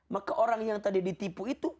maka orang yang tadi ditipu itu